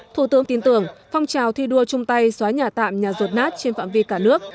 thủ tướng tin tưởng phong trào thi đua chung tay xóa nhà tạm nhà rột nát trên phạm vi cả nước